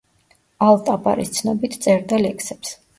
ალ-ტაბარის ცნობით წერდა ლექსებს.